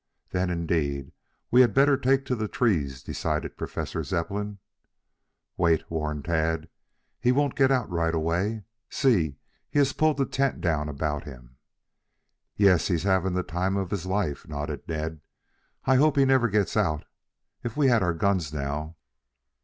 "Then, indeed, we had better take to the trees," decided Professor Zepplin. "Wait," warned Tad. "He won't get out right away. See, he has pulled the tent down about him." "Yes, he's having the time of his life," nodded Ned. "I hope he never gets out. If we had our guns now!"